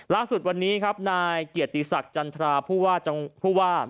ล่าสุดวันนี้ครับนายเกียรติศักดิ์จันทราผู้ว่า